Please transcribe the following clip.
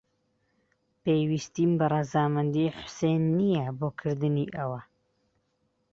پێویستیم بە ڕەزامەندیی حوسێن نییە بۆ کردنی ئەوە.